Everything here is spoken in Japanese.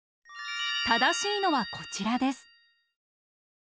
ただしいのはこちらです。